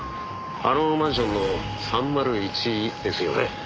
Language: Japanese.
あのマンションの３０１ですよね？